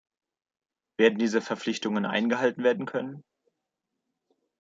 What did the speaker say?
Werden diese Verpflichtungen eingehalten werden können?